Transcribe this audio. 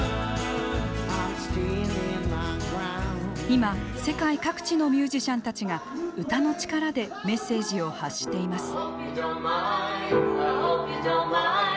今世界各地のミュージシャンたちが歌の力でメッセージを発しています。